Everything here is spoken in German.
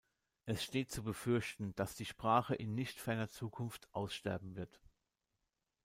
Es steht zu befürchten, dass die Sprache in nicht ferner Zukunft aussterben wird.